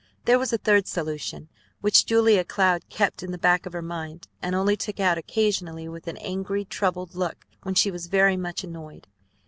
There was a third solution, which Julia Cloud kept in the back of her mind and only took out occasionally with an angry, troubled look when she was very much annoyed.